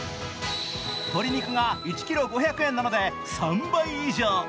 鶏肉が１ｋｇ５００円なので３倍以上。